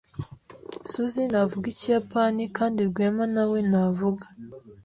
Susie ntavuga Ikiyapani, kandi Rwema na we ntavuga.